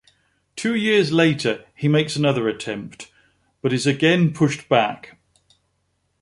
Two years later he makes another attempt, but is again pushed back.